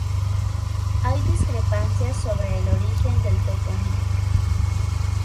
Hay discrepancias sobre el origen del topónimo.